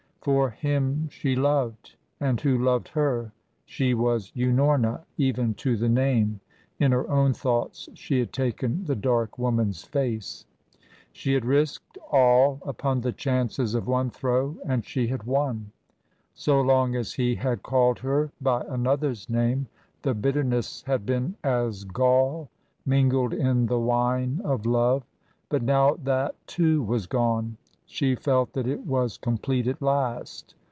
For him she loved, and who loved her, she was Unorna even to the name, in her own thoughts she had taken the dark woman's face. She had risked all upon the chances of one throw and she had won. So long as he had called her by another's name the bitterness had been as gall mingled in the wine of love. But now that too was gone. She felt that it was complete at last.